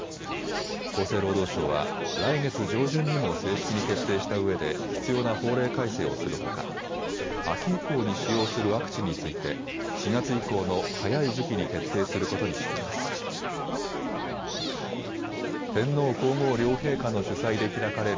厚生労働省は来月上旬にも正式に決定したうえで必要な法令改正をするほか秋以降に使用するワクチンについて４月以降の早い時期に決定することにしています。